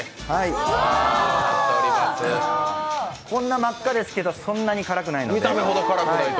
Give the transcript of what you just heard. こんな真っ赤ですけど、そんなに辛くないので。